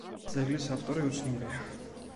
ძეგლის ავტორი უცნობია.